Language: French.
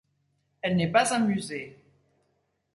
Elle n'est pas un musée.